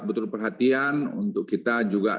betul perhatian untuk kita juga